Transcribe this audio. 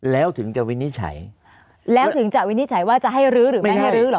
แล้วถึงจะวินิจฉัยแล้วถึงจะวินิจฉัยว่าจะให้รื้อหรือไม่ให้รื้อเหรอ